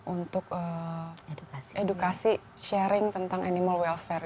untuk edukasi sharing tentang animal welfare